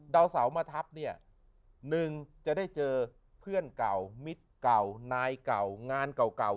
ดาวเสามาทับเนี่ยหนึ่งจะได้เจอเพื่อนเก่ามิตรเก่านายเก่างานเก่า